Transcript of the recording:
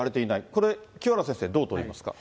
これ、清原先生、どう取りますか。